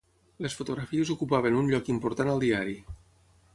Les fotografies ocupaven un lloc important al diari.